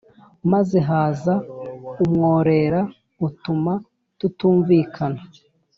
maze haza umworera utuma tutumvikana